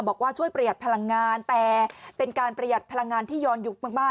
บอกว่าช่วยประหยัดพลังงานแต่เป็นการประหยัดพลังงานที่ย้อนยุคมาก